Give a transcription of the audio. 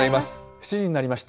７時になりました。